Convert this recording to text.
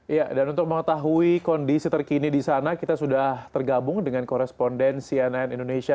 ya dan untuk mengetahui kondisi terkini di sana kita sudah tergabung dengan koresponden cnn indonesia